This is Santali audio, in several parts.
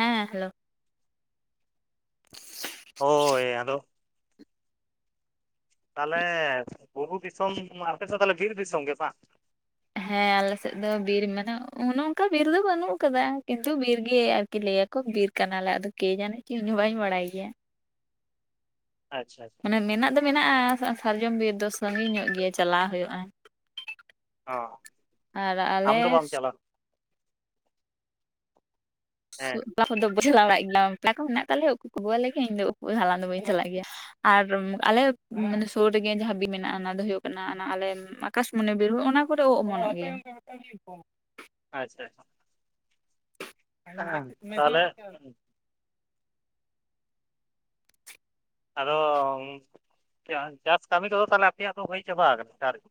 ᱦᱮᱸ ᱦᱮᱞᱳ ᱦᱳᱭ ᱟᱫᱚ ᱛᱟᱦᱞᱮ ᱵᱩᱨᱩ ᱫᱤᱥᱚᱢ ᱟᱯᱮᱥᱮᱫ ᱫᱚ ᱛᱟᱦᱚᱞᱮ ᱵᱤᱨ ᱫᱤᱥᱚᱢ ᱜᱮ ᱵᱟᱝ ᱦᱮᱸ ᱟᱞᱮᱥᱮᱫ ᱫᱚ ᱵᱤᱨ ᱢᱟᱱᱮ ᱚᱱᱮ ᱚᱱᱠᱟ ᱵᱤᱨ ᱫᱚ ᱵᱟᱹᱱᱩᱜ ᱟᱠᱟᱫᱟ ᱠᱤᱱᱛᱩ ᱵᱤᱨ ᱜᱮ ᱟᱨᱠᱤ ᱠᱤ ᱞᱟᱹᱭᱟᱠᱚ ᱵᱤᱨ ᱠᱟᱱᱟᱞᱮ ᱟᱫᱚ ᱠᱮ ᱡᱟᱱᱤᱡ ᱠᱤ ᱤᱧ ᱦᱚᱸ ᱵᱟᱹᱧ ᱵᱟᱲᱟᱭ ᱜᱮᱭᱟ᱾ ᱟᱪᱪ ᱟᱪᱷᱟ᱾ ᱢᱟᱱᱮ ᱢᱮᱱᱟᱜ ᱫᱚ ᱢᱮᱱᱟᱜᱼᱟ ᱥᱟᱨᱡᱚᱢ ᱵᱤᱨ ᱫᱚ ᱥᱟᱺᱜᱤᱧ ᱧᱚᱜ ᱜᱮᱭᱟ ᱪᱟᱞᱟᱣ ᱦᱩᱭᱩᱜᱼᱟ᱾ ᱚ ᱟᱨ ᱟᱢ ᱫᱚ ᱟᱞᱮᱥ᱾ ᱵᱟᱢ ᱪᱟᱞᱟᱣ ᱥᱚ ᱦᱮᱸ ᱠᱷᱚᱫᱚ ᱵᱩᱡᱷᱟᱣ ᱫᱟᱲᱟᱜ ᱜᱮᱭᱟᱢ ᱵᱟᱯᱞᱟ ᱠᱚ ᱢᱮᱱᱟᱜ ᱛᱟᱞᱮᱭᱟ ᱩᱠᱩ ᱠᱚ ᱟᱜᱩ ᱟᱞᱮᱮᱭᱟ ᱤᱧ ᱫᱚ ᱩᱠᱩ ᱦᱟᱞᱟᱝ ᱫᱚ ᱵᱟᱹᱧ ᱪᱟᱞᱟᱜ ᱜᱮᱭᱟ᱾ ᱟᱨ ᱟᱞᱮᱮ ᱥᱩᱨ ᱨᱮᱜᱮ ᱡᱟᱦᱟᱸ ᱵᱤ ᱢᱮᱱᱟᱜᱼᱟ ᱚᱱᱟ ᱫᱚ ᱦᱩᱭᱩᱜ ᱠᱟᱱᱟ ᱟᱞᱮ᱾ ᱟᱠᱟᱥᱢᱚᱱᱤ ᱵᱤᱨᱦᱚ ᱚᱱᱟ ᱠᱚᱨᱮ ᱚᱜ ᱚᱢᱚᱱᱚᱜ ᱜᱮᱭᱟ᱾ ᱟᱪᱪᱷᱟ ᱾ ᱢᱮ ᱢᱮᱥᱤᱞ ᱛᱟᱦᱚᱞᱮ ᱢᱤᱫ [unintelligible] ᱟᱫᱚ ᱪᱟᱥ ᱠᱟᱹᱢᱤ ᱠᱚᱫᱚ ᱛᱟᱦᱚᱞᱮ ᱟᱯᱮᱭᱟᱜ ᱫᱚ ᱦᱩᱭ ᱪᱟᱵᱟ ᱠᱟᱱᱟ ᱥᱮ ᱟᱨᱤᱭᱟ?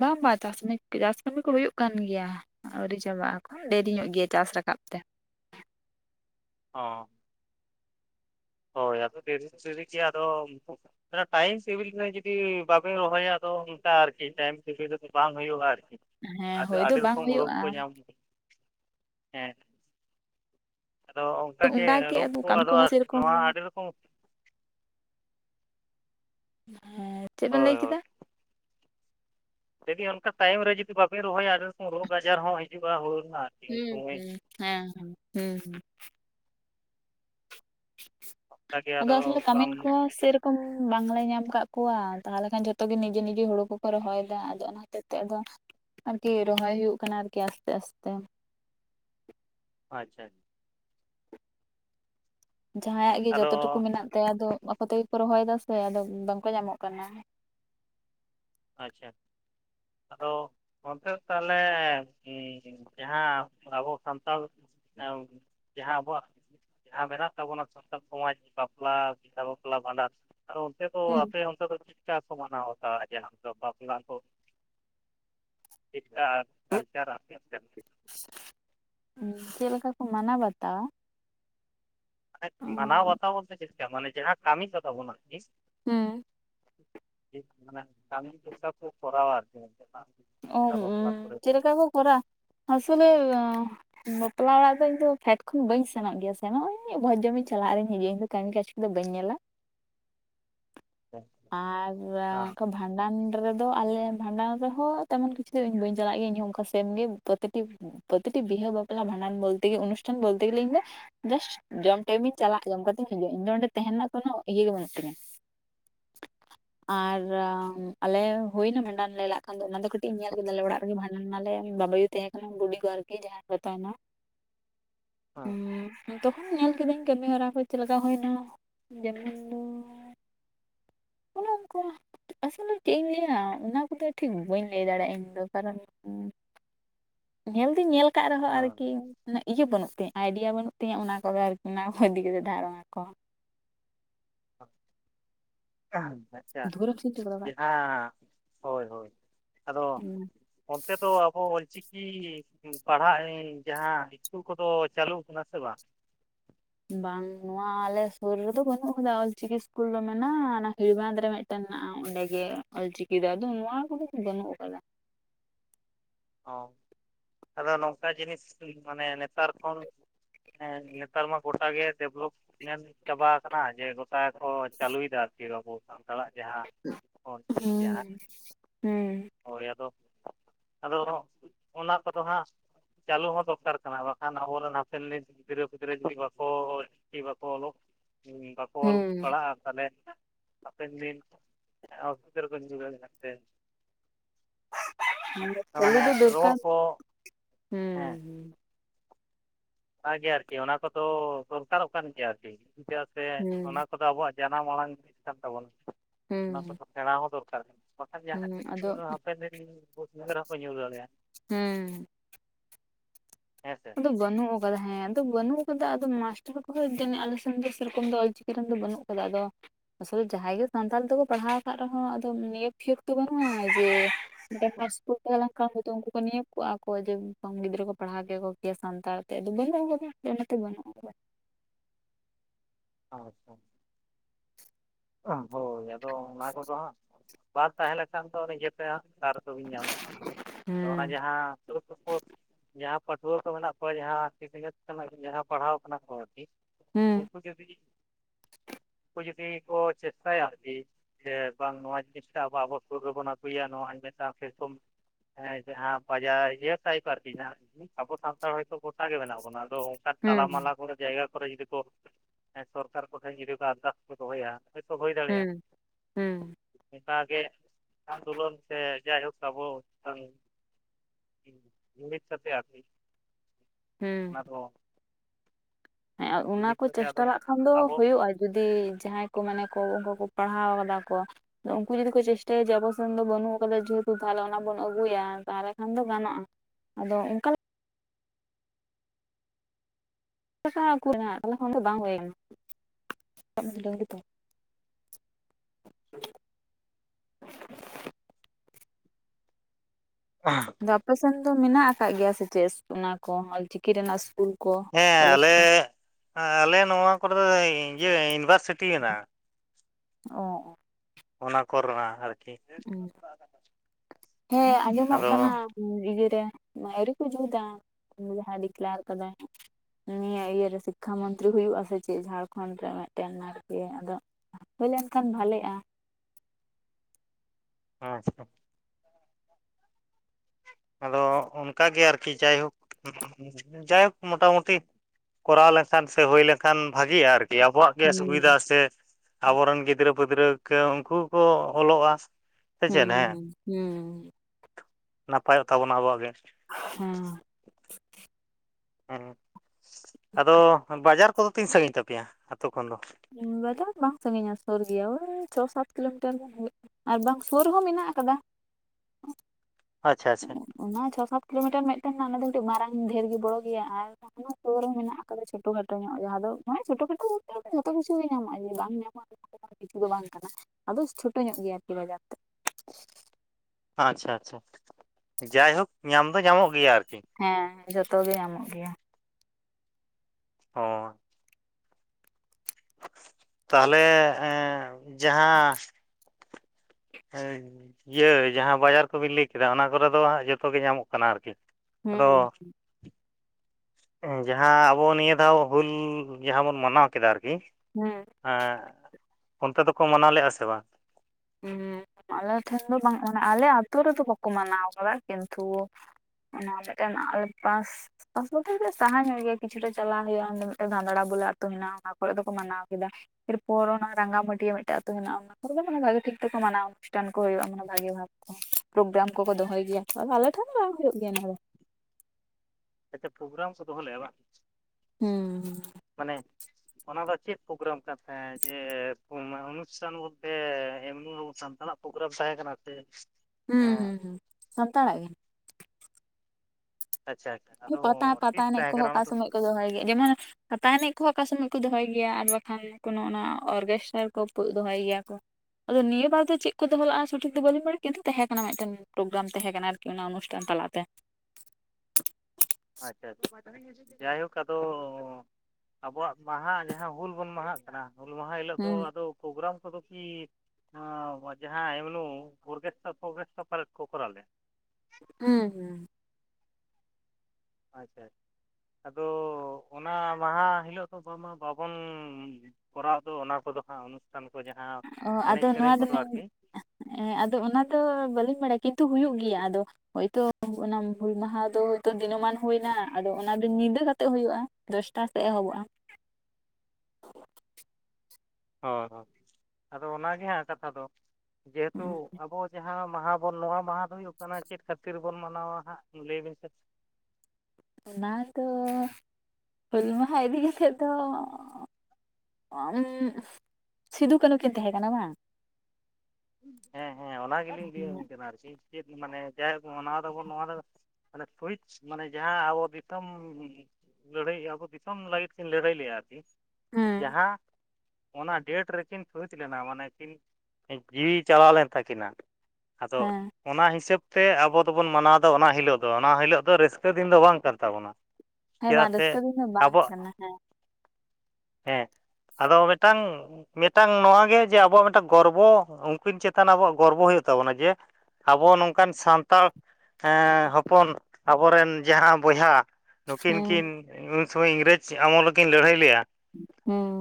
ᱵᱟᱝ ᱵᱟᱝ ᱪᱟᱥ ᱪᱟᱥ ᱠᱟᱹᱢᱤ ᱠᱚ ᱦᱩᱭᱩᱜ ᱠᱟᱱ ᱜᱮᱭᱟ᱾ ᱟᱹᱣᱨᱤ ᱪᱟᱵᱟᱜᱼᱟ ᱮᱠᱷᱚᱱ ᱰᱮᱨᱤ ᱧᱚᱜ ᱜᱮᱭᱟ ᱪᱟᱥ ᱨᱟᱠᱟᱵ ᱛᱮ ᱦᱚᱸ ᱦᱳᱭ ᱟᱫᱚ ᱰᱤᱨ ᱫᱚ ᱰᱤᱨᱤᱜ ᱜᱮᱭᱟ ᱟᱫᱚ ᱴᱟᱭᱤᱢ ᱴᱮᱵᱤᱞ ᱨᱮ ᱡᱩᱫᱤ ᱵᱟᱵᱤᱱ ᱨᱚᱦᱚᱭᱟ ᱟᱫᱚ ᱚᱱᱠᱟ ᱟᱨᱠᱤ ᱴᱟᱭᱤᱢ ᱴᱮᱵᱤᱞ ᱫᱚ ᱵᱟᱝ ᱦᱩᱭᱩᱜᱼᱟ ᱟᱨᱠᱤ᱾ ᱦᱮᱸ ᱟᱫᱚ ᱦᱳᱭ ᱫᱚ ᱟᱹᱰᱤ ᱵᱟᱝ ᱨᱚᱠᱚᱢ ᱩᱨᱩᱠ ᱦᱩᱭᱩᱜᱼᱟ ᱠᱚ ᱧᱟᱢ ᱦᱮᱸ᱾ ᱟᱫᱚ ᱛᱚ ᱚᱱᱠᱟᱜᱮ ᱨᱩᱯ ᱠᱚ ᱠᱟᱹᱢᱤ ᱟᱫᱚ ᱠᱚᱦᱚᱸ ᱥᱮᱨᱚᱠᱚᱢ ᱱᱚᱣᱟ ᱟᱹᱰᱤ ᱨᱚᱠᱚᱢ᱾ ᱦᱮᱸ ᱪᱮᱫ ᱵᱮᱱ ᱦᱳᱭ ᱦᱳᱭ ᱞᱟᱹᱭᱠᱮᱫᱟ᱾ ᱡᱩᱫᱤ ᱚᱱᱠᱟ ᱴᱟᱭᱤᱢ ᱨᱮ ᱡᱩᱫᱤ ᱵᱟᱵᱤᱱ ᱨᱚᱦᱚᱭᱟ ᱟᱫᱚ ᱨᱳᱜᱽ ᱟᱡᱟᱨ ᱦᱚᱸ ᱦᱤᱡᱩᱜᱼᱟ ᱦᱩᱲᱩ ᱨᱮᱱᱟᱜ᱾ ᱟᱨᱠᱤ ᱩᱱ ᱦᱩᱸ ᱥᱚᱢᱚᱭ ᱦᱩᱸ ᱦᱮᱸ ᱦᱮᱸ ᱦᱩᱸ ᱦᱩᱸ᱾ ᱚᱱᱠᱟᱜᱮ ᱟᱫᱚ ᱟᱥᱚᱞᱮ ᱵᱟᱢ ᱠᱟᱹᱢᱤᱱ ᱠᱚ ᱥᱮᱨ᱾ ᱠᱚ ᱵᱟᱝᱞᱮ ᱧᱟᱢ ᱠᱟᱜ ᱠᱚᱣᱟ ᱛᱟᱦᱚᱞᱮ ᱠᱷᱟᱱ ᱡᱷᱚᱛᱚ ᱜᱮ ᱱᱤᱡᱮ ᱱᱤᱡᱮ ᱦᱩᱲᱩ ᱠᱚᱠᱚ ᱨᱚᱦᱚᱭᱫᱟ ᱟᱫᱚ ᱚᱱᱟ ᱦᱚᱛᱮᱡ ᱛᱮ ᱟᱫᱚ᱾ ᱟᱨᱠᱤ ᱨᱚᱦᱚᱭ ᱦᱩᱭᱩᱜ ᱠᱟᱱᱟ ᱟᱨᱠᱤ ᱟᱥᱛᱮ ᱟᱥᱛᱮ᱾ ᱟᱪᱪᱷᱟ᱾ ᱡᱟᱦᱟᱸᱭᱟᱜ ᱜᱮ ᱟᱫᱚ ᱡᱚᱛ ᱴᱩᱠᱩ ᱢᱮᱱᱟᱜ ᱛᱟᱭᱟ ᱟᱫᱚ ᱟᱠᱚ ᱛᱮᱜᱮ ᱠᱚ ᱨᱚᱦᱚᱭ ᱫᱟ ᱥᱮ ᱟᱫᱚ ᱵᱟᱝᱠᱚ ᱧᱟᱢᱚᱜ ᱠᱟᱱᱟ᱾ ᱟᱪᱪᱷᱟ ᱟᱫᱚ ᱚᱱᱛᱮ ᱫᱚ ᱛᱟᱦᱚᱞᱮᱻ ᱡᱟᱦᱟᱸ ᱟᱵᱚ ᱥᱟᱱᱛᱟᱲ ᱡᱟᱦᱟᱸ ᱟᱵᱚᱣᱟᱜ᱾ ᱡᱟᱦᱟᱸ ᱢᱮᱱᱟᱜ ᱛᱟᱵᱚᱱᱟ ᱥᱟᱱᱛᱟᱲ ᱥᱚᱢᱟᱡᱽ ᱵᱟᱯᱞᱟ ᱵᱤᱦᱟᱹ ᱵᱟᱯᱞᱟ ᱵᱷᱟᱰᱟᱱ᱾ ᱟᱨ ᱚᱱᱛᱮ ᱫᱚ ᱦᱮᱸ ᱟᱯᱮ ᱚᱱᱛᱮ ᱫᱚ ᱪᱮᱫ ᱠᱟ ᱠᱚ ᱢᱟᱱᱟᱣ ᱫᱟ ᱡᱟᱱᱟᱢ ᱟᱫᱚ ᱵᱟᱯᱞᱟ ᱠᱚ ᱪᱮᱫ ᱠᱟ ᱠᱟᱞᱪᱟᱨ ᱟᱯᱮ ᱥᱮᱫ ᱪᱮᱫ ᱞᱮᱠᱟ ᱠᱚ ᱢᱟᱱᱟᱣ ᱵᱟᱛᱟᱣᱟ᱾ ᱢᱟᱱᱟᱣ ᱵᱟᱛᱟᱣ ᱵᱚᱞᱛᱮ ᱪᱮᱫ ᱞᱮᱠᱟ ᱢᱟᱱᱮ ᱡᱟᱦᱟᱸ ᱠᱟᱹᱢᱤ ᱠᱚ ᱛᱟᱵᱚᱱ ᱟᱨ ᱠᱤ ᱦᱩᱸ᱾ ᱢᱟᱱᱮ ᱠᱟᱹᱢᱤ ᱪᱮᱫᱠᱟ ᱠᱚ ᱠᱚᱨᱟᱣ ᱟᱨᱠᱤ ᱚᱱᱛᱮᱱᱟᱜ᱾ ᱚ ᱪᱮᱫ ᱞᱮᱠᱟ ᱠᱚ ᱠᱚᱨᱟ ᱟᱥᱚᱞᱮᱻ᱾ ᱵᱟᱯᱞᱟ ᱚᱲᱟᱜ ᱫᱚ ᱤᱧ ᱫᱚ ᱯᱷᱮᱰ ᱠᱷᱚᱱ ᱵᱟᱹᱧ ᱥᱮᱱᱚᱜ ᱜᱮᱭᱟ ᱥᱮᱱᱚ ᱵᱷᱚᱡᱽ ᱡᱚᱢᱤᱧ ᱪᱟᱞᱟᱜ ᱟᱨ ᱤᱧ ᱦᱤᱡᱩᱜᱼᱟ ᱤᱧ ᱫᱚ ᱠᱟᱹᱢᱤ ᱠᱟᱡ᱾ ᱫᱚ ᱵᱟᱹᱧ ᱧᱮᱞᱼᱟ ᱦᱮᱸ ᱟᱨ ᱦᱮᱸ ᱚᱱᱠᱟ ᱵᱷᱟ᱾ ᱵᱷᱟᱸᱰᱟᱱ ᱨᱮᱫᱚ ᱟᱞᱮ ᱵᱷᱟᱸᱰᱟᱱ ᱨᱮᱦᱚᱸ᱾ ᱛᱮᱢᱚᱱ ᱠᱤᱪᱷᱩ ᱫᱚᱧᱟᱹᱧ ᱪᱟᱞᱟᱜ ᱜᱮᱭᱟᱧ ᱦᱚᱸ ᱚᱱᱠᱟ ᱥᱮᱢ ᱜᱮ ᱯᱨᱚᱛᱤᱴᱤ ᱯᱨᱚᱛᱤᱴᱤ ᱵᱤᱦᱟᱹ ᱵᱟᱯᱞᱟ ᱵᱟᱱᱰᱟᱱ ᱵᱚᱞᱛᱮᱜᱮ ᱩᱱᱩᱥ᱾ ᱵᱚᱞᱛᱮᱜᱮᱞᱮ ᱤᱧ ᱫᱚ᱾ ᱡᱟᱥᱴ ᱡᱚᱢ ᱴᱟᱭᱤᱢ ᱤᱧ ᱪᱟᱞᱟᱜ ᱡᱚᱢ ᱠᱟᱛᱮᱧ ᱦᱤᱡᱩᱜᱼᱟ ᱤᱧ ᱫᱚ ᱚᱸᱰᱮ ᱛᱟᱦᱮ ᱨᱮᱱᱟᱜ ᱠᱳᱱᱳ ᱤᱭᱟᱹ ᱜᱮ ᱵᱟᱹᱱᱩᱜ ᱛᱤᱧᱟ᱾ ᱟᱨ ᱟᱞᱮ ᱦᱩᱭᱱᱟ ᱢᱮᱱᱰᱟᱱ ᱞᱮ ᱞᱟᱜ ᱠᱷᱟᱱ ᱫᱚ ᱚᱱᱟ ᱫᱚ ᱠᱟᱹᱴᱤᱡ᱾ ᱛᱤᱧ ᱧᱮᱞ ᱠᱮᱫᱟᱞᱮ ᱚᱲᱟᱜ ᱨᱮᱜᱮ ᱵᱷᱟᱸᱰ ᱱᱟᱞᱮ ᱵᱟᱵᱟᱭᱩ ᱛᱟᱦᱮᱸ ᱠᱟᱱᱟ ᱵᱩᱰᱤ ᱠᱚ ᱟᱨᱠᱤ ᱡᱟᱦᱟᱭᱮ ᱜᱚᱛᱚᱭ ᱱᱟ ᱦᱩᱸ ᱻ ᱛᱚᱠᱷᱚᱱ ᱧᱮᱞ ᱠᱤᱫᱟᱹᱧ ᱠᱟᱹᱢᱤ ᱦᱚᱨᱟ ᱠᱚ ᱪᱮᱫ ᱞᱮᱠᱟ ᱦᱩᱭᱮᱱᱟ ᱡᱮᱢᱚᱱ ᱫᱚ᱾ ᱚᱱᱮ ᱚᱱᱠᱟ ᱟᱥᱚᱞ ᱫᱚ ᱪᱮᱫ ᱤᱧ ᱞᱟᱹᱭᱟ ᱚᱱᱟ ᱠᱚᱫᱚ ᱴᱷᱤᱠ ᱵᱟᱹᱧ ᱞᱟᱹᱭ ᱫᱟᱲᱮᱭᱟᱜᱼᱟ ᱤᱧ ᱫᱚ ᱠᱟᱨᱚᱱ᱾ ᱧᱮᱞ ᱫᱩᱧ ᱧᱮᱞ ᱟᱠᱟᱫ ᱨᱮᱦᱚᱸ ᱟᱨᱠᱤ ᱤᱭᱟᱹ ᱵᱟᱹᱱᱩᱜ ᱛᱤᱧ᱾ ᱟᱭᱰᱤᱭᱟ ᱵᱟᱹᱱᱩᱜ ᱛᱤᱧᱟᱹ ᱚᱱᱟ ᱠᱚᱜᱮ ᱟᱨᱠᱤ ᱚᱱᱟ ᱠᱚ ᱤᱫᱤ ᱠᱟᱛᱮᱫ ᱫᱷᱟᱨᱚᱱᱟ ᱠᱚ᱾ ᱮᱦᱮᱢ᱾ ᱟᱪᱪᱷᱟ ᱫᱷᱩᱨᱟᱹᱢ ᱥᱤᱫ ᱠᱟᱫᱟ ᱵᱟᱝ ᱡᱟᱦᱟᱸ ᱦᱳᱭ ᱦᱳᱭ ᱟᱫᱚ ᱦᱩᱸ ᱚᱱᱛᱮ ᱫᱚ ᱟᱵᱚ ᱚᱞ ᱪᱤᱠᱤ ᱯᱟᱲᱦᱟᱜᱧ ᱡᱟᱦᱟᱸ ᱤᱥᱠᱩᱞ ᱠᱚᱫᱚ ᱪᱟᱹᱞᱩ ᱠᱟᱱᱟ ᱥᱮ ᱵᱟᱝ ᱵᱟᱝ ᱱᱚᱶᱟ ᱟᱞᱮ ᱥᱩᱨ ᱨᱮᱫᱚ ᱵᱟᱹᱱᱩᱜ ᱟᱠᱟᱫᱟ ᱚᱞ ᱪᱤᱠᱤ ᱤᱥᱠᱩᱞ ᱫᱚ ᱢᱮᱱᱟᱜᱼᱟ ᱦᱤᱲ ᱵᱟᱸᱫᱽ ᱨᱮ ᱢᱤᱫᱴᱟᱹᱝ ᱢᱮᱱᱟᱜᱼᱟ ᱚᱸᱰᱮ ᱜᱮ ᱚᱞ ᱪᱤᱠᱤ ᱟᱫᱚ ᱱᱚᱣᱟ ᱠᱚᱫᱚ ᱵᱟᱹᱱᱩᱜ ᱟᱠᱟᱫᱟ ᱚ ᱟᱫᱚ ᱱᱚᱝᱠᱟ ᱡᱤᱱᱤᱥ ᱢᱟᱱᱮ ᱱᱮᱛᱟᱨ ᱠᱷᱚᱱ ᱦᱮᱸ ᱱᱮᱛᱟᱨ ᱢᱟ ᱜᱚᱴᱟ ᱜᱮ ᱰᱮᱵᱷᱞᱚᱯ ᱢᱮᱱ ᱪᱟᱵᱟ ᱟᱠᱟᱱᱟ ᱡᱮ [unintelligible] ᱪᱟᱹᱞᱩᱭᱮᱫᱟ ᱟᱨᱠᱤ ᱨᱚᱵᱚ ᱥᱟᱶ ᱦᱮᱸᱻ ᱦᱮᱸᱻ ᱦᱳᱭ ᱟᱫᱚ ᱟᱫᱚ ᱚᱱᱟ ᱠᱚᱫᱚ ᱦᱟᱸᱜ ᱪᱟᱹᱞᱩ ᱦᱚᱸ ᱫᱚᱨᱠᱟᱨ ᱠᱟᱱᱟ ᱵᱟᱠᱷᱟᱱ ᱟᱵᱚᱨᱮᱱ ᱦᱟᱯᱮᱱ ᱫᱤᱱ ᱜᱤᱫᱽᱨᱟᱹ ᱯᱤᱫᱽᱨᱟᱹ ᱡᱩᱫᱤ ᱵᱟᱠᱚ ᱚᱞᱪᱤ ᱵᱟᱠᱚ ᱚᱞᱚᱜ᱾ ᱚᱞ ᱦᱩᱸ᱾ ᱯᱟᱲᱦᱟᱜᱼᱟ ᱛᱟᱦᱚᱞᱮ ᱦᱟᱯᱮᱱ ᱫᱤᱱ ᱚᱥᱩᱵᱤᱫᱟ ᱨᱮᱠᱚ ᱧᱩᱨᱦᱩ ᱫᱟᱲᱮᱼᱟ ᱥᱮ [unintelligible] ᱢᱟᱱᱮ ᱫᱚ ᱨᱚᱲ ᱫᱚᱨᱠᱟᱨ ᱠᱚ ᱦᱮᱸ ᱦᱮᱸ [unintelligible] ᱟᱨᱠᱤ ᱚᱱᱟ ᱠᱚᱫᱚ ᱫᱚᱨᱠᱟᱨᱚᱜ ᱠᱟᱱ ᱜᱮᱭᱟ ᱟᱨᱠᱤ ᱟᱥ ᱦᱩᱸ ᱟᱵᱚᱣᱟᱜ ᱡᱟᱱᱟᱢ ᱟᱲᱟᱝ ᱢᱤᱫ ᱟᱠ ᱛᱟᱵᱚᱱᱟ ᱚᱱᱟ ᱦᱩᱸ ᱠᱚᱫᱚ ᱥᱮᱬᱟ ᱦᱚᱸ ᱫᱚᱨᱠᱟᱨ ᱠᱟᱱᱟ ᱵᱟᱠᱷᱟᱱ ᱡᱟᱦᱟᱸ ᱦᱩᱸ ᱥᱮᱫ ᱟᱫᱚ ᱦᱟᱯᱮᱱ ᱫᱤᱱ ᱵᱩᱥᱱᱚᱨ ᱦᱚᱸᱯᱮ ᱧᱩᱨ ᱫᱟᱲᱮᱭᱟᱜᱼᱟ ᱦᱩᱸ ᱦᱮᱸ ᱥᱮ ᱟᱫᱚ ᱵᱟᱹᱱᱩᱜ ᱟᱠᱟᱫᱟ ᱦᱮᱸ ᱟᱫᱚ ᱵᱟᱹᱱᱩᱜ ᱟᱠᱟᱫᱟ ᱟᱫᱚ ᱢᱟᱥᱴᱟᱨ ᱠᱚ ᱦᱟᱹᱱ ᱟᱞᱮ ᱥᱮᱱ ᱫᱚ ᱥᱮᱨᱚᱠᱚᱢ ᱫᱚ ᱚᱞ ᱪᱤᱠᱤ ᱨᱮᱱ ᱫᱚ ᱵᱟᱹᱱᱩᱜ ᱟᱠᱟᱫᱟ ᱪᱮᱫᱟᱜ ᱫᱚ ᱟᱥᱚᱞ ᱡᱟᱦᱟᱸᱭ ᱜᱮ ᱥᱟᱱᱛᱟᱲᱤ ᱛᱮᱠᱚ ᱯᱟᱲᱦᱟᱣ ᱟᱠᱟᱫ ᱨᱮᱦᱚᱸ ᱟᱫᱚ ᱱᱤᱭᱟᱹ ᱯᱷᱤᱭᱠ ᱫᱚ ᱵᱟᱹᱱᱩᱜᱼᱟ ᱡᱮ ᱢᱤᱫ ᱠᱩᱞ ᱛᱟᱦᱮᱸ ᱞᱮᱱ ᱠᱷᱟᱱ ᱩᱱᱠᱩ ᱠᱚ ᱱᱤᱭᱟᱹ ᱠᱚᱜᱼᱟ ᱠᱚ ᱡᱮ ᱵᱟᱝ ᱜᱤᱫᱽᱨᱟᱹ ᱠᱚ ᱯᱟᱲᱦᱟᱣ ᱜᱮᱭᱟᱠᱚ ᱥᱟᱱᱛᱟᱲ ᱛᱮᱫ ᱫᱚ ᱵᱟᱹᱱᱩᱜ [unintelligible] ᱚᱱᱟᱛᱮ ᱵᱟᱹᱱᱩᱜᱼᱟ ᱟᱪᱪᱷᱟ ᱦᱳᱭ ᱟᱫᱚ ᱚᱱᱟ ᱠᱚᱫᱚ ᱦᱜ ᱵᱟᱝ ᱛᱟᱦᱮᱸ ᱞᱮᱠᱷᱟᱱ ᱫᱚ ᱱᱤᱡᱮᱛᱮ ᱦ ᱚᱵᱤᱱ ᱧᱟᱢᱟ ᱟᱫᱚ ᱚᱱᱟ ᱦᱩᱸ ᱡᱟᱦᱟᱸ [unintelligible] ᱡᱟᱦᱟᱸ ᱯᱟᱹᱴᱷᱩᱣᱟᱹ ᱠᱚ ᱢᱮᱱᱟᱜ ᱠᱚᱣᱟ [unintelligible] ᱡᱟᱦᱟᱸ ᱯᱟᱲᱦᱟᱣᱟᱠᱟᱱᱟ ᱠᱚ ᱟᱨᱠᱤ ᱦᱩᱸ ᱩᱱᱠᱩ ᱡᱩᱫᱤ ᱩᱱᱠᱩ ᱡᱩᱫᱤ ᱠᱚ ᱪᱮᱥᱴᱟᱭᱟ ᱟᱨᱠᱤ ᱦᱮ ᱵᱟᱝ ᱱᱚᱣᱟ ᱡᱤᱱᱤᱥ ᱟᱵᱚ ᱟᱵᱚ ᱠᱚ ᱜᱮᱵᱚᱱ ᱟᱹᱜᱩᱭᱟ ᱱᱚᱣᱟᱧ ᱢᱮ ᱯᱷ ᱠᱚ ᱦᱮᱸ ᱡᱟᱦᱟᱸ ᱵᱟᱡᱟᱨ ᱤᱭᱟᱹ ᱴᱟᱭᱤᱯ ᱟᱨᱠᱤ ᱟᱵᱚ ᱥᱟᱱᱛᱟᱲ ᱦᱚᱭᱛᱚ ᱜᱚᱴᱟ ᱜᱮ ᱢᱮᱱᱟᱜ ᱵᱚᱱᱟ ᱟᱫᱚ ᱦᱩᱸ ᱛᱟᱞᱟᱢᱟᱞᱟ ᱠᱚᱨᱮ ᱡᱟᱭᱜᱟ ᱠᱚᱨᱮ ᱡᱩᱫᱤ ᱠᱚ ᱥᱚᱨᱠᱟᱨ ᱠᱚᱴᱷᱮᱱ ᱡᱩᱫᱤ ᱟᱨᱫᱟᱥ ᱠᱚ ᱫᱚᱦᱚᱭᱟ ᱦᱚᱭ ᱛᱚ ᱦᱩᱭ ᱦᱩᱸ ᱫᱟᱲᱮᱭᱟᱜᱼᱟ ᱦᱩᱸ ᱚᱱᱠᱟᱜᱮ ᱟᱱᱫᱳᱞᱚᱱ ᱥᱮ ᱡᱟᱭᱦᱳᱠ ᱟᱵᱚ ᱥᱟᱸᱼᱼ ᱤ [unintelligible] ᱥᱟᱛᱮ ᱟᱨᱤ ᱦᱮᱸ ᱟᱫᱚ ᱦᱮᱸ ᱚᱱᱟ ᱠᱚ ᱠᱚᱜᱮ ᱟᱫᱚ ᱪᱮᱥᱴᱟ ᱞᱟᱜ ᱠᱷᱟᱱ ᱫᱚ ᱟᱵᱚ ᱦᱩᱭᱩᱜᱼᱟ ᱡᱩᱫᱤ ᱡᱟᱦᱟᱸᱭ ᱠᱚ ᱢᱟᱱᱮ ᱠᱚ ᱩᱱᱠᱩ ᱠᱚ ᱯᱟᱲᱦᱟᱣᱟᱠᱟᱫ ᱠᱚ ᱟᱫᱚ ᱩᱱᱠᱩ ᱡᱩᱫᱤ ᱠᱚ ᱪᱮᱥᱴᱟᱭᱟ ᱡᱮ ᱟᱵᱚ ᱥᱮᱱ ᱫᱚ ᱵᱟᱹᱱᱩᱜ ᱠᱟᱫᱟ ᱡᱮᱦᱮᱛᱩ ᱛᱟᱦᱚᱞᱮ ᱚᱱᱟ ᱵᱚᱱ ᱟᱹᱜᱩᱭᱟ ᱛᱟᱦᱚᱞᱮ ᱠᱷᱟᱱ ᱫᱚ ᱜᱟᱱᱚᱜᱼᱟ ᱟᱫᱚ ᱚᱱᱠᱟ [unintelligible] [unintelligible] ᱫᱚ ᱵᱟᱝ ᱦᱩᱭ ᱟᱠᱟᱱᱟ [unintelligible] [unintelligible] ᱟᱫᱚ ᱟᱯᱮᱥᱮᱱ ᱫᱚ ᱢᱮᱱᱟᱜ ᱟᱠᱟᱫ ᱜᱮᱭᱟ ᱥᱮ ᱪᱮᱫ ᱚᱱᱟ ᱠᱚ ᱚᱞ ᱪᱤᱠᱤ ᱨᱮᱱᱟᱜ ᱠᱚ ᱦᱮᱸ ᱠᱚᱞᱮᱡᱽ ᱟᱞᱮ ᱠᱚ? ᱟᱞᱮ ᱱᱚᱣᱟ ᱠᱚᱨᱮ ᱫᱚ ᱤᱭᱟᱹ ᱤᱭᱩᱱᱤᱵᱷᱟᱨᱥᱤᱴᱤ ᱢᱮᱱᱟᱜᱼᱟ ᱚᱸᱻ ᱚᱸᱻ ᱚᱱᱟ ᱠᱚᱨᱮ ᱟᱨᱠᱤ ᱚ ᱦᱮᱸ ᱟᱸᱡᱚᱢᱚᱜ ᱟᱫᱚ [unintelligible] ᱡᱟᱦᱟᱸᱭ ᱫᱤᱠᱞᱟᱨ ᱟᱠᱟᱫᱟᱭ ᱱᱤᱭᱟᱹ ᱤᱭᱟᱹᱨᱮ ᱥᱤᱠᱠᱷᱟ ᱢᱚᱱᱛᱨᱤ ᱦᱩᱭᱩᱜᱼᱟ ᱥᱮ ᱪᱮᱫ ᱡᱷᱟᱲᱠᱷᱚᱸᱰ ᱨᱮ ᱢᱤᱫᱴᱮᱱ ᱟᱨᱠᱤ ᱟᱫᱚ ᱦᱩᱭᱟᱹ ᱞᱮᱱᱠᱷᱟᱱ ᱵᱷᱟᱞᱮᱜᱼᱟ ᱟᱪᱪᱷᱟ ᱟᱫᱚ ᱚᱱᱠᱟ ᱜᱮ ᱟᱨᱠᱤ ᱡᱟᱭᱦᱳᱠ ᱡᱟᱭᱦᱳᱠ ᱢᱚᱴᱟᱢᱩᱴᱤ ᱠᱚᱨᱟᱣ ᱞᱮᱱᱠᱷᱟᱱ ᱥᱮ ᱦᱩᱭ ᱞᱮᱱᱠᱷᱟᱱ ᱵᱷᱟᱜᱤᱭᱟ ᱟᱨᱠᱤ ᱟᱵᱚᱣᱟᱜ ᱜᱮ ᱦᱩᱸ ᱥᱩᱵᱷᱤᱫᱟ ᱥᱮ ᱟᱵᱚᱨᱮᱱ ᱜᱤᱫᱽᱨᱟᱹ ᱯᱤᱫᱽᱨᱟᱹ ᱠᱚ ᱩᱱᱠᱩ ᱠᱚ ᱚᱞᱚᱜ-ᱟ ᱦᱩᱸ ᱦᱩᱸ ᱱᱟᱯᱟᱭᱚᱜ ᱛᱟᱵᱚᱱᱟ ᱟᱵᱚᱣᱟᱜ ᱜᱮ ᱦᱩᱸ ᱦᱮᱸ ᱟᱫᱚ ᱵᱟᱡᱟᱨ ᱠᱚᱫᱚ ᱛᱤᱱ ᱥᱟᱺᱜᱤᱧ ᱛᱟᱯᱮᱭᱟ ᱟᱹᱛᱩ ᱠᱷᱚᱱ ᱫᱚ ᱵᱟᱡᱟᱨ ᱵᱟᱝ ᱥᱟᱺᱜᱤᱧᱟ ᱥᱩᱨ ᱜᱮᱭᱟ ᱳᱭ ᱪᱷᱚ ᱥᱟᱛ ᱠᱤᱞᱳ ᱢᱤᱴᱟᱨ ᱜᱟᱱ ᱦᱩᱭᱩᱜ-ᱟ ᱟᱨ ᱵᱟᱝ ᱥᱩᱨ ᱨᱮᱦᱚᱸ ᱢᱮᱱᱟᱜ ᱟᱠᱟᱫᱟ ᱟᱪᱪᱷᱟ ᱟᱪᱷᱟ ᱚᱱᱟ ᱪᱷᱚ ᱥᱟᱛ ᱠᱤᱞᱳᱢᱤᱴᱟᱨ ᱢᱤᱫᱴᱮᱱ ᱚᱱᱟ ᱫᱚᱴᱤᱡ ᱢᱟᱨᱟᱝ ᱰᱷᱮᱨ ᱜᱮ ᱵᱚᱲᱚ ᱜᱮᱭᱟ ᱟᱨ ᱥᱩᱨ ᱨᱮ ᱢᱮᱱᱟᱜ ᱟᱠᱟᱫᱟ ᱪᱷᱳᱴᱳ ᱠᱷᱟᱴᱳ ᱧᱚᱜ ᱡᱟᱦᱟᱸ ᱫᱚ ᱢᱟᱱᱮ ᱪᱳᱴᱳ ᱠᱷᱟᱴᱳ ᱵᱚᱞᱛᱮ ᱡᱷᱚᱛᱚ ᱠᱤᱪᱷᱩ ᱜᱮ ᱧᱟᱢᱚᱜ-ᱟ ᱡᱮ ᱵᱟᱝ ᱧᱟᱢᱚᱜ-ᱟ ᱚᱱᱠᱟᱱ ᱠᱤᱪᱷᱩ ᱫᱚ ᱵᱟᱝ ᱠᱟᱱᱟ ᱟᱫᱚ ᱪᱷᱳᱴᱳ ᱧᱚᱜ ᱜᱮᱭᱟ ᱟᱨᱠᱤ ᱵᱟᱡᱟᱨ ᱛᱮᱛ ᱟᱪᱪᱷᱟ ᱟᱪᱪᱷᱟ ᱡᱟᱭᱦᱳᱠ ᱧᱟᱢ ᱫᱚ ᱧᱟᱢᱚᱜ ᱜᱮᱭᱟ ᱟᱨᱠᱤ ᱦᱮᱸ ᱡᱷᱚᱛᱚ ᱜᱮ ᱧᱟᱢᱚᱜ ᱜᱮᱭᱟ ᱦᱚᱸ ᱛᱟᱦᱚᱞᱮ ᱮᱸ ᱡᱟᱦᱟᱸ ᱦᱮᱸ ᱤᱭᱟᱹ ᱡᱟᱦᱟᱸ ᱵᱟᱡᱟᱨ ᱠᱚᱵᱤᱱ ᱞᱟᱹᱭ ᱠᱮᱫᱟ ᱚᱱᱟ ᱠᱚᱨᱮ ᱫᱚ ᱦᱟᱸᱜ ᱡᱚᱛᱚ ᱜᱮ ᱧᱟᱢᱚᱜ ᱠᱟᱱᱟ ᱟᱨᱠᱤ ᱟᱫᱚ ᱦᱩᱸ ᱦᱩᱸ ᱡᱟᱦᱟᱸ ᱟᱵᱚ ᱱᱤᱭᱟᱹ ᱫᱷᱟᱣ ᱦᱩᱞ ᱡᱟᱦᱟᱸ ᱵᱚᱱ ᱢᱟᱱᱟᱣ ᱠᱮᱫᱟ ᱟᱨᱠᱤ ᱦᱩᱸ ᱮᱸ ᱚᱱᱛᱮ ᱫᱚᱠᱚ ᱢᱟᱱᱟᱣ ᱞᱮᱜ-ᱟ ᱥᱮ ᱵᱟᱝ ᱦᱮᱸ ᱟᱞᱮ ᱴᱷᱮᱱ ᱫᱚ ᱵᱟᱝ ᱢᱟᱱᱮ ᱟᱞᱮ ᱟᱹᱛᱳ ᱨᱮᱫᱚ ᱵᱟᱠᱚ ᱢᱟᱱᱟᱣ ᱟᱠᱟᱫᱟ ᱠᱤᱱᱛᱩ ᱚᱱᱟ ᱢᱤᱫᱴᱮᱱ ᱟᱞᱮ ᱯᱟᱥ [unintelligible] ᱥᱟᱦᱟ ᱧᱚᱜ ᱜᱮᱭᱟ ᱠᱤᱪᱷᱩ ᱴᱟᱜ ᱪᱟᱞᱟᱣ ᱦᱩᱭᱩᱜ-ᱟ ᱚᱸᱰᱮ ᱢᱤᱫᱴᱮᱱ ᱫᱷᱟᱸᱲᱟ ᱵᱚᱞᱮ ᱟ ᱟᱹᱛᱳ ᱢᱮᱱᱟᱜ ᱚᱱᱟ ᱠᱚᱨᱮ ᱫᱚᱠᱚ ᱢᱟᱱᱟᱣ ᱠᱮᱫᱟ ᱮᱨᱯᱚᱨ ᱚᱱᱟ ᱨᱟᱸᱜᱟᱢᱟᱹᱴᱤᱭᱟᱹ ᱢᱤᱫᱴᱮᱡ ᱟᱹᱛᱩ ᱢᱮᱱᱟᱜ-ᱟ ᱚᱱᱟ ᱠᱚ ᱫᱚ ᱱᱚᱜ-ᱚᱭ ᱴᱷᱤᱠ ᱛᱮᱠᱚ ᱢᱟᱱᱟᱣᱟ ᱚᱱᱩᱥᱴᱷᱟᱱ ᱠᱚ ᱦᱩᱭᱩᱜ-ᱟ ᱢᱟᱱᱮ ᱵᱷᱟᱜᱤ ᱵᱷᱟᱵ ᱛᱮ ᱯᱨᱳᱜᱨᱟᱢ ᱠᱚᱠᱚ ᱫᱚᱦᱚᱭ ᱜᱮᱭᱟ ᱛᱚ ᱟᱫᱚ ᱟᱞᱮ ᱴᱷᱮᱱ ᱵᱟᱝ ᱦᱩᱭᱩᱜ ᱜᱮᱭᱟ ᱱᱚ ᱫᱚ ᱟᱪᱪᱷᱟ ᱯᱨᱳᱜᱨᱟᱢ ᱠᱚ ᱫᱚᱦᱚ ᱞᱮᱜ-ᱟ ᱵᱟᱝ ᱦᱩᱸ ᱦᱩᱸ ᱢᱟᱱᱮ ᱚᱱᱟ ᱫᱚ ᱪᱮᱫ ᱯᱨᱳᱜᱨᱟᱢ ᱠᱟᱱ ᱛᱟᱦᱮᱸᱫ ᱡᱮ ᱚᱱᱩᱥᱴᱷᱟᱱ ᱢᱚᱫᱽᱷᱮ ᱮᱢᱱᱤ ᱟᱵᱚᱱ ᱥᱟᱱᱛᱟᱲᱟᱜ ᱯᱨᱳᱜᱨᱟᱢ ᱛᱟᱦᱮᱸ ᱠᱟᱱᱟ ᱛᱮ ᱦᱩᱸ ᱦᱩᱸ ᱦᱩᱸ ᱥᱟᱱᱛᱟᱲᱟᱜ ᱜᱮ ᱟᱪᱪᱷᱟ ᱟᱪᱪᱷᱟ ᱟᱫᱚ ᱯᱟᱛᱟ ᱯᱟᱛᱟ ᱛᱤᱥ ᱮᱱᱮᱡ ᱛᱟᱦᱮᱸ ᱠᱟᱱᱟ ᱠᱚᱦᱚᱸ ᱚᱠᱟ ᱚᱱᱟ ᱫᱚ ᱥᱚᱢᱚᱭ ᱠᱚ ᱫᱚᱦᱚᱭ ᱜᱮᱭᱟ ᱡᱮᱢᱚᱱ ᱯᱟᱛᱟ ᱮᱱᱮᱡ ᱠᱚ ᱦᱚᱸ ᱚᱠᱟ ᱥᱚᱢᱚᱭ ᱠᱚ ᱫᱚᱦᱚᱭ ᱜᱮᱭᱟ ᱟᱨ ᱵᱟᱠᱷᱟᱱ ᱠᱳᱱᱳ ᱚᱱᱟ ᱚᱨᱜᱮᱥᱴᱟᱨ ᱠᱚ ᱫᱚᱦᱚᱭ ᱜᱮᱭᱟ ᱠᱚ ᱟᱫᱚ ᱱᱤᱭᱟᱹ ᱵᱟᱨ ᱫᱚ ᱪᱮᱫ ᱠᱚ ᱫᱚᱦᱚ ᱞᱟᱜ-ᱟ ᱥᱚᱴᱷᱤᱠ ᱫᱚ ᱵᱟᱞᱤᱧ ᱵᱟᱰᱟᱭᱟ ᱠᱤᱱᱛᱩ ᱛᱟᱦᱮᱸ ᱠᱟᱱᱟ ᱢᱤᱫᱴᱮᱱ ᱯᱨᱳᱜᱨᱟᱢ ᱛᱟᱦᱮᱸ ᱠᱟᱱᱟ ᱟᱨᱠᱤ ᱚᱱᱟ ᱚᱱᱩᱥᱴᱷᱟᱱ ᱛᱟᱞᱟ ᱛᱮ ᱟᱪᱪᱷᱟ ᱟᱪᱪᱷᱟ ᱡᱟᱭᱦᱳᱠ ᱟᱫᱚ ᱟᱵᱚᱣᱟᱜ ᱢᱟᱦᱟ ᱡᱟᱦᱟᱸ ᱦᱩᱞ ᱵᱚᱱ ᱢᱟᱦᱟᱜ ᱠᱟᱱᱟ ᱦᱩᱞ ᱢᱟᱦᱟ ᱦᱤᱞᱚᱜ ᱫᱚ ᱦᱩᱸ ᱟᱫᱚ ᱯᱨᱳᱜᱨᱟᱢ ᱠᱚᱫᱚ ᱠᱤ ᱦᱚᱸ ᱡᱟᱦᱟᱸᱭ ᱮᱢᱱᱩ ᱚᱨᱜᱮᱥᱴᱟᱨ ᱯᱷᱚᱨᱜᱮᱥᱴᱟᱨ ᱯᱟᱞᱮᱫ ᱠᱚ ᱠᱚᱨᱟᱣ ᱞᱮᱫ-ᱟ ᱦᱩᱸ ᱦᱩᱸ ᱟᱪᱪᱷᱟ ᱟᱪᱪᱷᱟ ᱟᱫᱚ ᱚᱱᱟ ᱢᱟᱦᱟ ᱦᱤᱞᱳᱜ ᱫᱚ ᱵᱟᱝᱢᱟ ᱵᱟᱵᱚᱱ ᱠᱚᱨᱟᱣ ᱫᱚ ᱚᱱᱟ ᱠᱚᱫᱚ ᱦᱟᱸᱜ ᱚᱱᱩᱥᱴᱷᱟᱱ ᱠᱚ ᱡᱟᱦᱟᱸ ᱮᱱᱮᱡ ᱥᱮᱨᱮᱧ ᱠᱚᱫᱚ ᱟᱨᱠᱤ ᱦᱮᱸ ᱟᱫᱚ ᱚᱱᱟ ᱫᱚ ᱵᱟᱹᱞᱤᱧ ᱵᱟᱰᱟᱭᱟ ᱠᱤᱱᱛᱩ ᱦᱩᱭᱩᱜ ᱜᱮᱭᱟ ᱟᱫᱚ ᱦᱳᱭᱛᱳ ᱚᱱᱟ ᱦᱩᱞ ᱢᱟᱦᱟ ᱫᱚ ᱦᱭᱛᱳ ᱫᱤᱱᱟᱹᱢᱟᱱ ᱦᱩᱭᱱᱟ ᱟᱫᱚ ᱚᱱᱟ ᱫᱚ ᱧᱤᱫᱟᱹ ᱠᱟᱛᱮᱜ ᱦᱩᱭᱩᱜᱼᱟ ᱫᱚᱥᱴᱟ ᱥᱮᱫ ᱮᱦᱚᱵᱚᱜᱼᱟ ᱦᱚᱭ ᱦᱚᱭ ᱟᱫᱚ ᱚᱱᱟᱜᱮ ᱦᱟᱸᱜ ᱠᱟᱛᱷᱟ ᱫᱚ ᱡᱮᱦᱮᱛᱩ ᱟᱵᱚ ᱡᱟᱦᱟᱸ ᱢᱟᱦᱟ ᱵᱚᱱ ᱱᱚᱣᱟ ᱢᱟᱦᱟ ᱫᱚ ᱦᱩᱭᱩᱜ ᱠᱟᱱᱟ ᱪᱮᱫ ᱠᱷᱟᱹᱛᱤᱨ ᱵᱚᱱ ᱢᱟᱱᱟᱣᱟ ᱦᱟᱸᱜ ᱞᱟᱹᱭ ᱵᱤᱱ ᱥᱮ ᱚᱱᱟ ᱫᱚ ᱦᱩᱞ ᱢᱟᱦᱟ ᱤᱫᱤ ᱠᱟᱛᱮᱫ ᱫᱚ ᱚ ᱩᱸ ᱥᱤᱫᱩ ᱠᱟᱹᱱᱩ ᱠᱤᱱ ᱛᱟᱦᱮᱸ ᱠᱟᱱᱟ ᱵᱟᱝ ᱦᱮᱸ ᱦᱮᱸ ᱚᱱᱟ ᱜᱮᱞᱤᱧ ᱤᱫᱵᱤᱱ ᱠᱟᱱᱟ ᱟᱨᱠᱤ ᱪᱮᱫ ᱢᱟᱱᱮ ᱡᱟᱭᱦᱳᱠ ᱫᱚᱵᱚᱱ ᱱᱚᱣᱟ ᱫᱚ ᱢᱟᱱᱮ ᱥᱩᱦᱤᱪ ᱢᱟᱱᱮ ᱡᱟᱦᱟᱸ ᱟᱵᱚ ᱫᱤᱥᱚᱢ ᱞᱟᱹᱲᱦᱟᱹᱭ ᱟᱵᱚ ᱫᱤᱥᱚᱢ ᱞᱟᱹᱜᱤᱫ ᱠᱤᱱ ᱞᱟᱹᱲᱦᱟᱹᱭ ᱞᱮᱼᱟ ᱟᱨᱠᱤ ᱦᱮᱸ ᱡᱟᱦᱟᱸ ᱚᱱᱟ ᱰᱮᱴ ᱨᱮᱠᱤᱱ ᱥᱩᱦᱤᱛ ᱞᱮᱱᱟ ᱢᱟᱱᱮ ᱠᱤᱱ ᱡᱤᱣᱤ ᱪᱟᱞᱟᱣ ᱞᱮᱱ ᱛᱟᱠᱤᱱᱟ ᱟᱫᱚ ᱦᱮᱸ ᱚᱱᱟ ᱦᱤᱥᱟᱹᱵ ᱛᱮ ᱟᱵᱚ ᱫᱚᱵᱚᱱ ᱢᱟᱱᱟᱣ ᱫᱚ ᱚᱱᱟ ᱦᱤᱞᱳᱜ ᱫᱚ ᱚᱱᱟ ᱦᱤᱞᱳᱜ ᱫᱚ ᱨᱟᱹᱥᱠᱟᱹ ᱫᱤᱱ ᱫᱚ ᱵᱟᱝ ᱠᱟᱱ ᱛᱟᱵᱚᱱᱟ ᱦᱮᱸ ᱪᱮᱫᱟᱜ ᱵᱟᱝ ᱥᱮ ᱨᱟᱹᱥᱠᱟᱹ ᱫᱤᱱ ᱫᱚ ᱵᱟᱝ ᱟᱵᱚ ᱠᱟᱱᱟ ᱦᱮᱸ ᱦᱮᱸ ᱟᱫᱚ ᱢᱤᱫᱴᱟᱝ ᱢᱤᱫᱴᱟᱝ ᱱᱚᱣᱟ ᱜᱮ ᱡᱮ ᱟᱵᱚᱣᱟᱜ ᱢᱤᱫᱴᱟᱝ ᱜᱚᱨᱵᱚ ᱩᱱᱠᱤᱱ ᱪᱮᱛᱟᱱ ᱟᱵᱚᱣᱟᱜ ᱜᱚᱨᱵᱚ ᱦᱩᱭᱩᱜ ᱛᱟᱵᱚᱱᱟ ᱡᱮ ᱟᱵᱚ ᱱᱚᱝᱠᱟᱱ ᱥᱟᱱᱛᱟᱲ ᱦᱮᱸ ᱦᱚᱯᱚᱱ ᱟᱵᱚᱨᱮᱱ ᱡᱟᱦᱟᱸ ᱵᱚᱭᱦᱟ ᱱᱩᱠᱤᱱ ᱦᱮᱸ ᱠᱤᱱ ᱩᱱ ᱥᱚᱢᱚᱭ ᱤᱝᱨᱮᱡᱽ ᱟᱢᱚᱞ ᱨᱮᱠᱤᱱ ᱞᱟᱹᱲᱦᱟᱹᱭ ᱞᱮᱼᱟ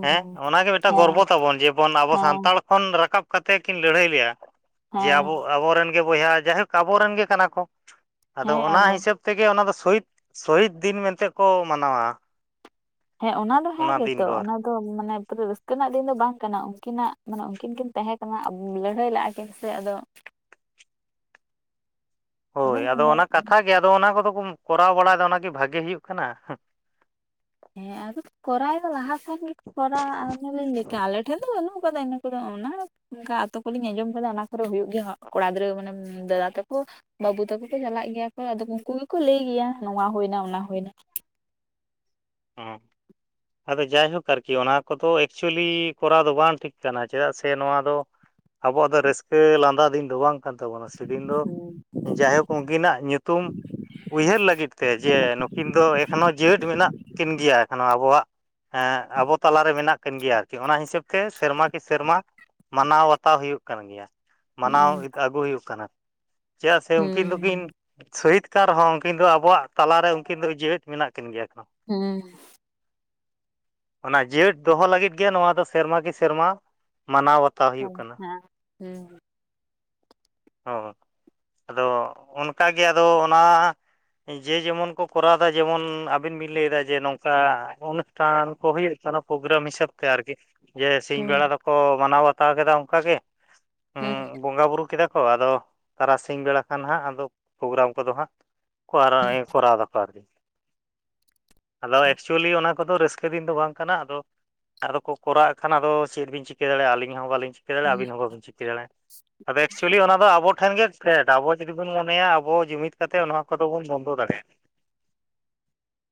ᱦᱮᱸ ᱚᱱᱟᱜᱮ ᱢᱤᱫᱴᱟᱝ ᱜᱚᱨᱵᱚ ᱛᱟᱵᱚᱱ ᱡᱮᱢᱚᱱ ᱟᱵᱚ ᱦᱮᱸ ᱥᱟᱱᱛᱟᱲ ᱠᱷᱚᱱ ᱨᱟᱠᱟᱵ ᱠᱟᱛᱮ ᱠᱤᱱ ᱞᱟᱹᱲᱦᱟᱹᱭ ᱞᱮᱭᱟ ᱡᱮ ᱦᱮᱸ ᱟᱵᱚ ᱟᱵᱚᱨᱮᱱ ᱵᱚᱭᱦᱟ ᱡᱟᱭᱦᱳᱠ ᱟᱵᱚᱨᱮᱱ ᱜᱮ ᱠᱟᱱᱟ ᱠᱚ ᱟᱫᱚ ᱦᱮᱸ ᱚᱱᱟ ᱟᱵᱚ ᱦᱤᱥᱟᱹᱵ ᱛᱮᱜᱮ ᱚᱱᱟ ᱫᱚ ᱥᱚᱦᱤᱫ ᱥᱚᱦᱤᱫ ᱫᱤᱱ ᱢᱮᱱᱛᱮ ᱠᱚ ᱢᱟᱱᱟᱣᱟ ᱦᱮᱸ ᱚᱱᱟ ᱫᱚ ᱦᱮᱸ ᱫᱤᱱ ᱜᱮᱛᱚ ᱫᱚ ᱟᱨᱠᱤ ᱚᱱᱟ ᱢᱟᱱᱮ ᱯᱩᱨᱟᱹ ᱨᱟᱹᱥᱠᱟᱹ ᱨᱮᱱᱟᱜ ᱫᱤᱱ ᱫᱚ ᱵᱟᱝ ᱠᱟᱱᱟ ᱩᱱᱠᱤᱱᱟᱜ ᱢᱟᱱᱮ ᱩᱱᱠᱤᱱ ᱠᱤᱱ ᱛᱟᱦᱮᱸ ᱠᱟᱱᱟ ᱞᱟᱹᱲᱦᱟᱹᱭ ᱞᱟᱜᱼᱟ ᱠᱤᱱ ᱥᱮ ᱟᱫᱚ ᱦᱳᱭ ᱟᱫᱚ ᱚᱱᱟ ᱠᱟᱛᱷᱟ ᱜᱮ ᱟᱫᱚ ᱚᱱᱟ ᱠᱚᱫᱚ ᱠᱚ ᱠᱚᱨᱟᱣ ᱵᱟᱲᱟᱭᱮᱫᱟ ᱚᱱᱟᱜᱮ ᱵᱷᱟᱹᱜᱤ ᱦᱩᱭᱩᱜ ᱠᱟᱱᱟ ᱦᱮᱸ ᱟᱫᱚ ᱠᱚᱨᱟᱣ ᱫᱚ ᱞᱟᱦᱟ ᱠᱷᱚᱱ ᱜᱮ ᱠᱚᱨᱟᱣ ᱟᱞᱤᱧ ᱟᱞᱮ ᱴᱷᱮᱱ ᱫᱚ ᱵᱟᱹᱱᱩᱜᱠᱟᱫᱟ ᱠᱚᱫᱚ ᱚᱱᱟ ᱚᱱᱠᱟ ᱟᱛᱳ ᱠᱚᱞᱤᱧ ᱟᱸᱡᱚᱢ ᱟᱠᱟᱫᱟ ᱚᱱᱟ ᱠᱚᱨᱮ ᱦᱩᱭᱩᱜ ᱜᱮᱭᱟ ᱠᱚᱲᱟ ᱜᱤᱫᱽᱨᱟᱹ ᱢᱟᱱᱮ ᱫᱟᱫᱟ ᱛᱟᱠᱚ ᱵᱟᱹᱵᱩ ᱛᱟᱠᱚ ᱠᱚ ᱪᱟᱞᱟᱜ ᱜᱮᱭᱟ ᱠᱚ ᱟᱫᱚ ᱩᱱᱠᱩ ᱜᱮᱠᱚ ᱞᱟᱹᱭ ᱜᱮᱭᱟ ᱱᱚᱶᱟ ᱦᱩᱭᱱᱟ ᱚᱱᱟ ᱦᱩᱭᱱᱟ ᱦᱩᱸ ᱟᱫᱚ ᱡᱟᱭᱦᱳᱠ ᱟᱨᱠᱤ ᱚᱱᱟ ᱠᱚᱫᱚ ᱮᱠᱪᱩᱭᱮᱞᱤ ᱠᱚᱨᱟᱣ ᱫᱚ ᱵᱟᱝ ᱴᱷᱤᱠ ᱠᱟᱱᱟ ᱪᱮᱫᱟᱜ ᱥᱮ ᱱᱚᱣᱟ ᱫᱚ ᱟᱵᱚᱣᱟᱜ ᱫᱚ ᱨᱟᱹᱥᱠᱟᱹ ᱞᱟᱸᱫᱟ ᱫᱤᱱ ᱫᱚ ᱵᱟᱝ ᱠᱟᱱ ᱛᱟᱵᱚᱱᱟ ᱥᱮᱫᱤᱱ ᱫᱚ ᱦᱩᱸ ᱡᱟᱭᱦᱳᱠ ᱩᱱᱠᱤᱱᱟᱜ ᱧᱩᱛᱩᱢ ᱩᱭᱦᱟᱹᱨ ᱞᱟᱹᱜᱤᱫ ᱛᱮ ᱡᱮ ᱱᱩᱠᱤᱱ ᱫᱚ ᱮᱠᱷᱚᱱᱳ ᱡᱮᱣᱮᱛ ᱢᱮᱱᱟᱜ ᱠᱤᱱ ᱜᱮᱭᱟ ᱮᱠᱷᱚᱱᱳ ᱟᱵᱚᱣᱟᱜ ᱮᱸ ᱟᱵᱚ ᱛᱟᱞᱟᱨᱮ ᱢᱮᱱᱟᱜ ᱠᱤᱱ ᱜᱮᱭᱟ ᱟᱨᱠᱤ ᱚᱱᱟ ᱦᱤᱥᱟᱹᱵ ᱛᱮ ᱥᱮᱨᱢᱟ ᱠᱤ ᱥᱮᱨᱢᱟ ᱢᱟᱱᱟᱣ ᱵᱟᱛᱟᱣ ᱦᱩᱭᱩᱜ ᱠᱟᱱ ᱜᱮᱭᱟ ᱢᱟᱱᱟᱣ ᱦᱩᱸ ᱟᱹᱜᱩ ᱦᱩᱭᱩᱜ ᱠᱟᱱᱟ ᱪᱮᱫᱟᱜ ᱥᱮ ᱩᱱᱠᱤᱱ ᱫᱚᱠᱤᱱ ᱦᱩᱸ ᱥᱩᱦᱤᱛ ᱠᱟᱨ ᱨᱮ ᱦᱚᱸ ᱩᱱᱠᱤᱱ ᱫᱚ ᱟᱵᱚᱣᱟᱜ ᱛᱟᱞᱟᱨᱮ ᱩᱱᱠᱤᱱ ᱫᱚ ᱡᱮᱣᱮᱛ ᱢᱮᱱᱟᱜ ᱠᱤᱱ ᱜᱮᱭᱟ ᱠᱤᱱ ᱜᱮᱭᱟ ᱮᱠᱦᱚᱱᱳ ᱦᱩᱸ ᱚᱱᱟ ᱡᱮᱣᱮᱫ ᱫᱚᱦᱚ ᱞᱟᱹᱜᱤᱫ ᱜᱮ ᱱᱚᱣᱟ ᱫᱚ ᱥᱮᱨᱢᱟ ᱠᱤ ᱥᱮᱨᱢᱟ ᱢᱟᱱᱟᱣ ᱵᱟᱛᱟᱣ ᱦᱩᱭᱩᱜ ᱦᱮᱸ ᱠᱟᱱᱟ ᱦᱮᱸ ᱦᱩᱸ ᱚ ᱟᱫᱚ ᱚᱱᱠᱟᱜᱮ ᱟᱫᱚ ᱚᱱᱟ ᱡᱮ ᱡᱮᱢᱚᱱ ᱠᱚ ᱠᱚᱨᱟᱣᱫᱟ ᱡᱮᱢᱚᱱ ᱟᱵᱤᱱ ᱵᱤᱱ ᱞᱟᱹᱭᱫᱟ ᱡᱮ ᱱᱚᱝᱠᱟ ᱴᱱᱟ ᱠᱚ ᱦᱳᱭᱳᱜ ᱠᱟᱱᱟ ᱯᱳᱜᱨᱟᱢ ᱦᱤᱥᱟᱹᱵ ᱛᱮ ᱟᱨᱠᱤ ᱡᱮ ᱥᱤᱧ ᱦᱩᱸ ᱵᱮᱲᱟ ᱫᱚᱠᱚ ᱢᱟᱱᱟᱣ ᱵᱟᱛᱟᱣ ᱠᱮᱫᱟ ᱚᱱᱠᱟᱜᱮ ᱦᱩᱸ ᱵᱚᱸᱜᱟ ᱵᱳᱩᱨᱩ ᱠᱮᱫᱟ ᱠᱚ ᱟᱫᱚ ᱛᱟᱨᱟᱥᱤᱧ ᱵᱮᱲᱟ ᱠᱷᱟᱱ ᱦᱟᱸᱜ ᱟᱫᱚ ᱯᱨᱳᱜᱨᱟᱢ ᱠᱚᱫᱚ ᱦᱟᱸᱜ ᱠᱚᱨᱟᱭ ᱫᱟᱠᱚ ᱟᱨᱠᱤ ᱟᱫᱚ ᱮᱠᱪᱩᱭᱮᱞᱤ ᱚᱱᱟ ᱠᱟ ᱫᱚ ᱨᱟᱹᱥᱠᱟᱹ ᱫᱤᱱ ᱫᱚ ᱵᱟᱝ ᱠᱟᱱᱟ ᱟᱫᱚ ᱟᱫᱚ ᱠᱚ ᱠᱚᱨᱟᱣᱮᱫ ᱠᱷᱟᱱ ᱟᱫᱚ ᱪᱮᱫ ᱵᱤᱱ ᱪᱤᱠᱟᱹ ᱫᱟᱲᱮᱭᱟᱜᱼᱟ ᱟᱹᱞᱤᱧ ᱦᱚᱸ ᱵᱟᱹᱞᱤᱧ ᱪᱤ ᱼᱼ ᱪᱮᱫᱟᱲᱟ ᱟᱵᱤᱱ ᱦᱚᱸ ᱵᱟᱵᱤᱱ ᱪᱤᱠᱟᱹ ᱫᱟᱲᱮᱜᱼᱟ [unintelligible] ᱮᱠᱪᱮᱞᱤ ᱚᱱᱟ ᱫᱚ ᱟᱵᱚ ᱴᱷᱮᱱ ᱜᱮ ᱯᱷᱮᱰ ᱟᱵᱚ ᱡᱩᱫᱤ ᱵᱚᱱ ᱢᱚᱱᱮᱭᱟ ᱟᱵᱚ ᱡᱩᱢᱤᱫ ᱠᱟᱛᱮ ᱱᱚᱣᱟ ᱠᱚᱫᱚ ᱵᱚᱱ ᱵᱚᱱᱫᱚ ᱫᱟᱲᱮᱭᱟᱜᱼᱟ